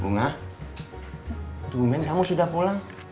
bunga tuh men kamu sudah pulang